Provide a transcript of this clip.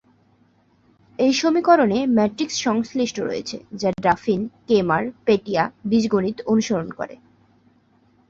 এই সমীকরণে ম্যাট্রিক্স সংশ্লিষ্ট রয়েছে, যা ডাফিন-কেমার-পেটিয়া বীজগণিত অনুসরণ করে।